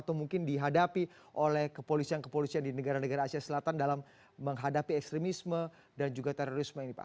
atau mungkin dihadapi oleh kepolisian kepolisian di negara negara asia selatan dalam menghadapi ekstremisme dan juga terorisme ini pak